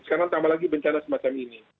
sekarang tambah lagi bencana semacam ini